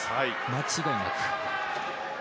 間違いなく。